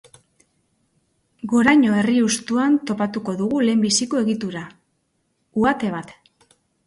Goraño herri hustuan topatuko dugu lehenbiziko egitura, uhate bat.